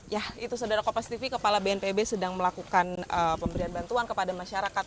ya itu saudara kompas tv kepala bnpb sedang melakukan pemberian bantuan kepada masyarakat